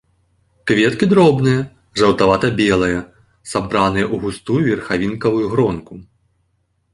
Кветкі дробныя, жаўтавата-белыя, сабраныя ў густую верхавінкавую гронку.